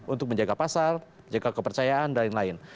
untuk menjaga pasar menjaga kepercayaan dan lain lain